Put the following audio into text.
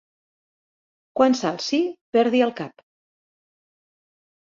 Quan s'alci perdi el cap.